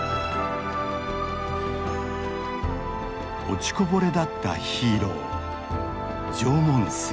落ちこぼれだったヒーロー縄文杉。